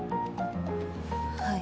はい。